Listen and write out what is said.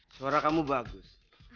suara kamu bagus